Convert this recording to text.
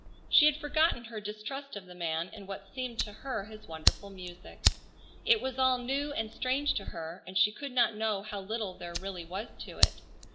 She had forgotten her distrust of the man in what seemed to her his wonderful music. It was all new and strange to her, and she could not know how little there really was to it.